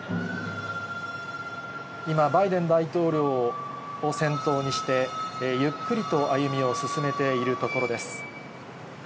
今、バイデン大統領を先頭にして、ゆっくりと歩みを進めているところです。